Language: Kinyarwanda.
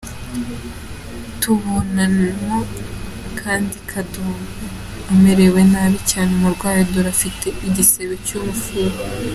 Tubonamo kandi Kadogo amerewe nabi cyane n’uburwayi dore ko afite igisebe cy’umufunzo.